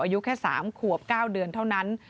อายุแค่๓ขวบ๙เดือนเท่านั้น